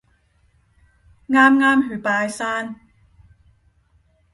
啱啱去拜山